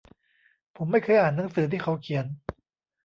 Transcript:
ผมไม่เคยอ่านหนังสือที่เขาเขียน